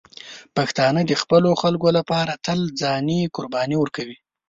پښتانه د خپلو خلکو لپاره تل ځاني قرباني ورکوي.